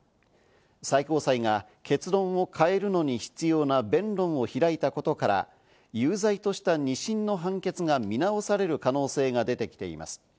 最高裁が結論を変えるのに必要な弁論を開いたことから、有罪とした２審の判決が見直される可能性が出てきています。